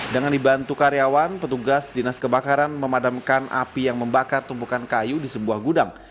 dengan dibantu karyawan petugas dinas kebakaran memadamkan api yang membakar tumpukan kayu di sebuah gudang